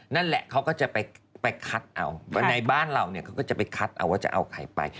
นั่นแหละเขาก็จะไปคัดเอาในบ้านเราเนี่ยเขาก็จะไปคัดเอาว่าจะเอาใครไป